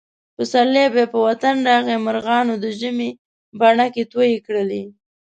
پسرلی بیا په وطن راغی. مرغانو د ژمي بڼکې تویې کړلې.